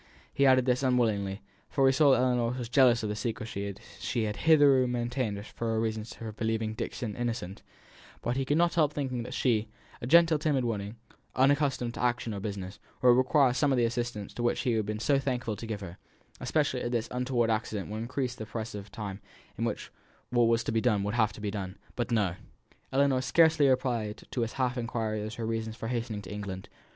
He added this unwillingly; for he saw that Ellinor was jealous of the secresy she had hitherto maintained as to her reasons for believing Dixon innocent; but he could not help thinking that she, a gentle, timid woman, unaccustomed to action or business, would require some of the assistance which he would have been so thankful to give her; especially as this untoward accident would increase the press of time in which what was to be done would have to be done. But no. Ellinor scarcely replied to his half inquiry as to her reasons for hastening to England.